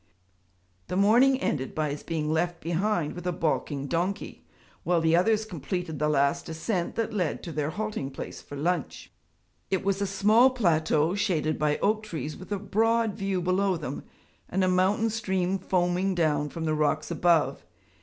The morning ended by his being left behind with a balking donkey, while the others completed the last ascent that led to their halting place for lunch. It was a small plateau shaded by oak trees with a broad view below them, and a mountain stream foaming down from the rocks above.